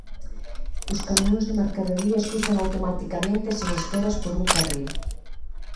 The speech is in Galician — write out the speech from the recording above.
Os camións de mercadorías cruzan automaticamente e sen esperas por un carril.